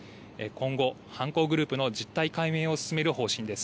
今後、犯行グループの実態解明を進める方針です。